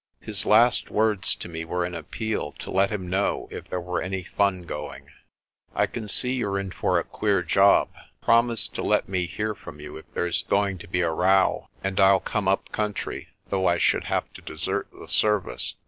His last words to me were an appeal to let him know if there was any fun going. "I can see you're in for a queer job. Promise to let me hear from you if there's going to be a row, and I'll come up country, though I should have to desert the service.